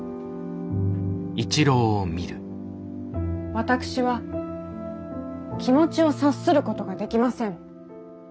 私は気持ちを察することができません。